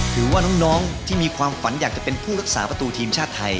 หรือว่าน้องที่มีความฝันอยากจะเป็นผู้รักษาประตูทีมชาติไทย